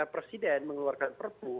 presiden mengeluarkan perpu